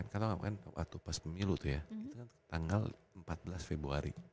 kan tau gak pas pemilu tuh ya tanggal empat belas februari